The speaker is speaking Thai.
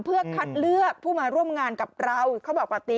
เพื่อคัดเลือกผู้มาร่วมงานกับเรา